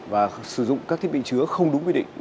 và sử dụng các thiết bị chứa không đúng quy định